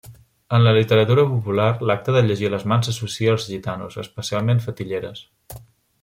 En la literatura popular, l'acte de llegir les mans s'associa als gitanos, especialment fetilleres.